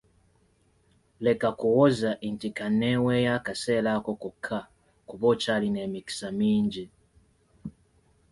Leka kuwoza nti kanneeweeyo akaseera ako kokka kuba okyalina emikisa mingi.